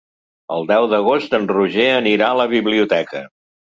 El deu d'agost en Roger anirà a la biblioteca.